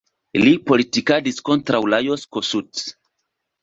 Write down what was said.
Li politikadis kontraŭ Lajos Kossuth.